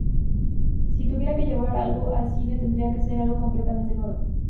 Si tuviera que llevar algo al cine, tendría que ser algo completamente nuevo.